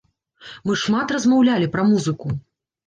Мы шмат размаўлялі пра музыку.